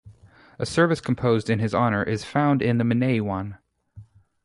A service composed in his honour is found in the Menaion.